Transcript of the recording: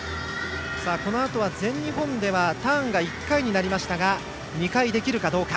そして全日本ではターンが１回になりましたが２回できるかどうか。